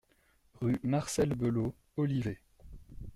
Rue Marcel Belot, Olivet